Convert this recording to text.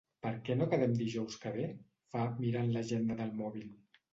Per què no quedem dijous que ve? —fa, mirant l'agenda al mòbil—.